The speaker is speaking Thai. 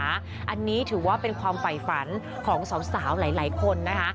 อันนี้ถือว่าเป็นความฝ่ายฝันของสาวหลายคนนะคะ